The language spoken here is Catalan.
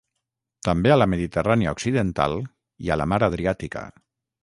També a la Mediterrània occidental i a la Mar Adriàtica.